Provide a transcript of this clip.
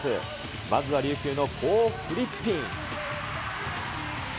まずは琉球のコー・フリッピン。